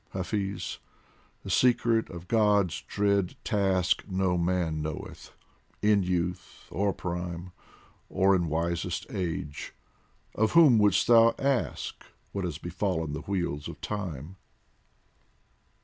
Hafiz, the secret of God's dread task No man knoweth, in youth or prime Or in wisest age ; of whom would'st thou ask : What has befallen the wheels of Time